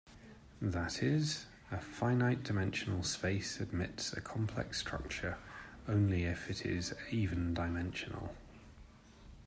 That is, a finite-dimensional space admits a complex structure only if it is even-dimensional.